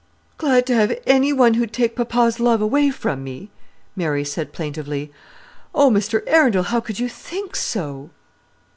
"Glad to have any one who'd take papa's love away from me?" Mary said plaintively. "Oh, Mr. Arundel, how could you think so?"